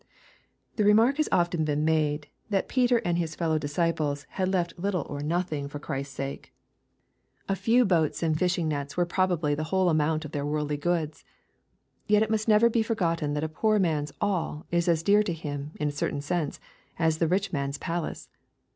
'] The remark has often been made, that Peter and his fellow disciples had left little or nothing for Ohrist'a 282 EXPOSITORY THOUaHTS. sake. A fe\i boats and fishing nets were probably ihi whole amount of their worldly goods. Yet it must never be forgotten that a poor man's " all" is as dear to him, in a certain sense, as the rid man's palace.